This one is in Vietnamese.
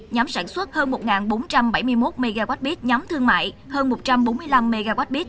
nhóm sản xuất hơn một bốn trăm bảy mươi một mwp nhóm thương mại hơn một trăm bốn mươi năm mwp